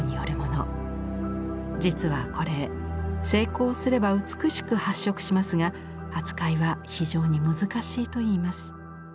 実はこれ成功すれば美しく発色しますが扱いは非常に難しいといいます。